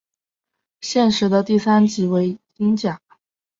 现时的第三级为英甲。